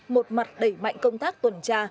một mặt đẩy mạnh công tác tuần tra